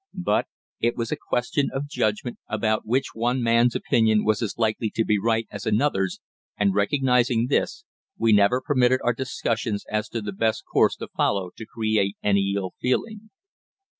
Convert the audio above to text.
But it was a question of judgment about which one man's opinion was as likely to be right as another's and, recognising this, we never permitted our discussions as to the best course to follow to create any ill feeling.